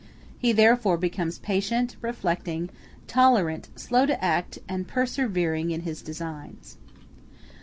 He therefore becomes patient, reflecting, tolerant, slow to act, and persevering in his designs.